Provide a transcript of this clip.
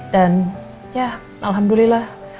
dan ya alhamdulillah